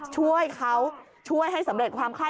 ช่วยเขาช่วยให้สำเร็จความไข้